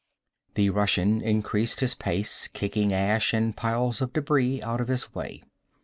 The Russian increased his pace, kicking ash and piles of debris out of his way.